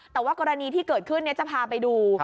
แต่ว่ากรณีที่เกิดขึ้นจะพาไปดู